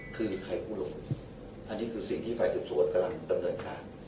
คือใครกู้หลงอันนี้คือสิ่งที่ฝ่ายสืบสวนกำลังดำเนินการ